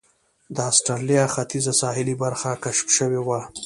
د اسټرالیا ختیځه ساحلي برخه کشف شوې وه.